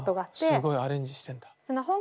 ああすごいアレンジしてんだ。